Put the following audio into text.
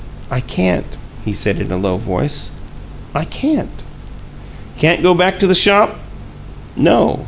"I can't," he said, in a low voice. "I can't." "Can't go back to the shop?" "No.